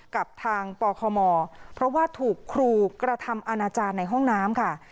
กับทางปคมเพราะว่าถูกครูกระทำอาณาจารย์ในห้องน้ำค่ะ